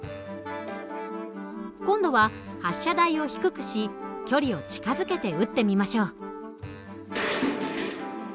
今度は発射台を低くし距離を近づけて撃ってみましょう。